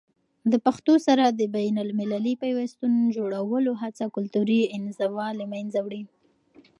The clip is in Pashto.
د پښتو سره د بینالمللي پیوستون جوړولو هڅه کلتوري انزوا له منځه وړي.